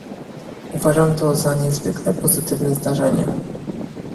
Uważam to za niezwykle pozytywne zdarzenie